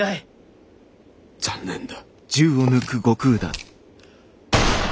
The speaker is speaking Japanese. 残念だ。